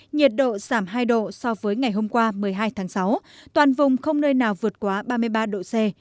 nhiệt độ giảm hai độ so với ngày hôm qua một mươi hai tháng sáu toàn vùng không nơi nào vượt quá ba mươi ba độ c